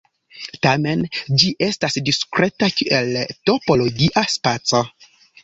Tamen, ĝi estas diskreta kiel topologia spaco.